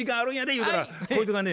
言うたらこいつがね